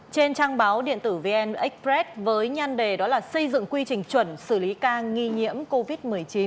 trên trang báo điện tử vn express với nhan đề đó là xây dựng quy trình chuẩn xử lý ca nghi nhiễm covid một mươi chín